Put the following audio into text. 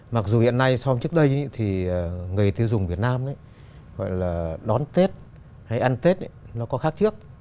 mặc dù hiện nay so với trước đây thì người tiêu dùng việt nam gọi là đón tết hay ăn tết nó có khác trước